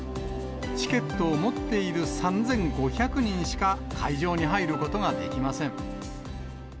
チケットを持っている３５００人しか、会場に入ることができません。